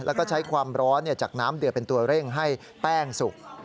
แล้วก็ใช้ความร้อนจากน้ำเดือเป็นตัวเร่งให้แป้งสุก